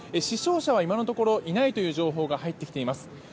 死傷者は今のところいないという情報が入ってきています。